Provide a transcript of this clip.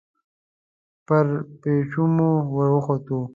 پر پېچومو ور وختو.